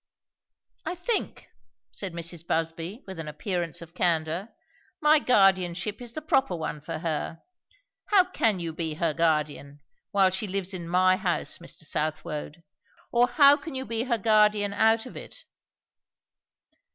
"I think," said Mrs. Busby with an appearance of candour, "my guardianship is the proper one for her. How can you be her guardian, while she lives in my house, Mr. Southwode? Or how can you be her guardian out of it?"